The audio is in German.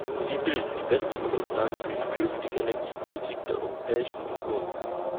Sie bilden die beste Grundlage für die künftige Energiepolitik der Europäischen Union.